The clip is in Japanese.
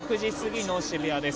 午後６時過ぎの渋谷です。